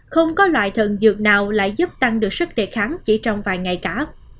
không có loại thần dược nào lại giúp tăng được sức đề kháng chỉ trong vài ngày cả